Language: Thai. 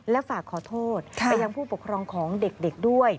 และฝากขอโทษไปยังผู้ปกครองของเด็กด้วย